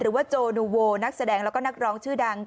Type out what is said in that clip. โจนูโวนักแสดงแล้วก็นักร้องชื่อดัง